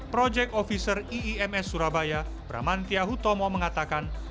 proyek ofiser iims surabaya bramantia hutomo mengatakan